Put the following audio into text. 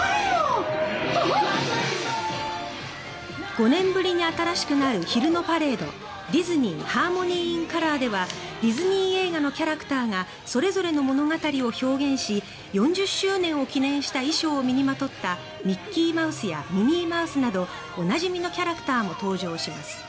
５年ぶりに新しくなる昼のパレードディズニー・ハーモニー・イン・カラーではディズニー映画のキャラクターがそれぞれの物語を表現し４０周年を記念した衣装を身にまとったミッキーマウスやミニーマウスなどおなじみのキャラクターも登場します。